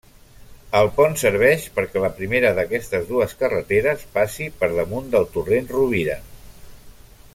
El pont serveix perquè la primera d'aquestes dues carreteres passi per damunt del torrent Rovira.